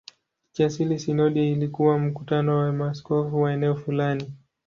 Kiasili sinodi ilikuwa mkutano wa maaskofu wa eneo fulani.